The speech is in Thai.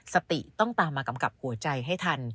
สติต้องตามมากำกับหัวใจให้ทัน